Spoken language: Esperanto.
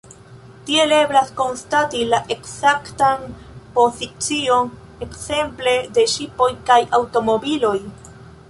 Tiel eblas konstati la ekzaktan pozicion ekzemple de ŝipoj kaj aŭtomobiloj.